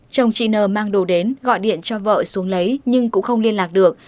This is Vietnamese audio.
chồng chị n mang đồ đến gọi điện cho vợ xuống lấy nhưng cũng không liên lạc được